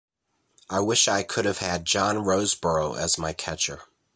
I wish I could have had John Roseboro as my catcher.